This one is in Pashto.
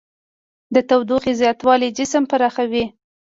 د تودوخې زیاتوالی جسم پراخوي.